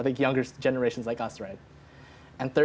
untuk generasi generasi muda seperti kami